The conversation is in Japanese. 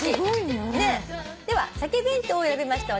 では「鮭弁当」を選びました